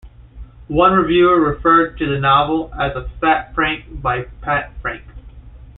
One reviewer referred to the novel as a fat prank by Pat Frank.